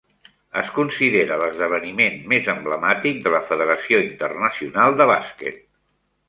Es considera l'esdeveniment més emblemàtic de la Federació Internacional de Bàsquet.